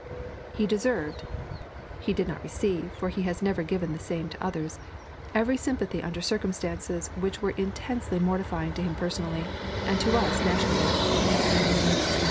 He deserved (he did not receive, for he had never given the same to others) every sympathy under circumstances which were intensely mortifying to himself personally, and to us nationally.